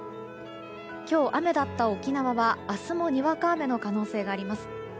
今日、雨だった沖縄は明日もにわか雨の可能性があります。